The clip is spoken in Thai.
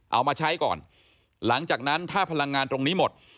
เอามาใช้ก่อนหลังจากนั้นถ้าพลังงานตรงนี้หมด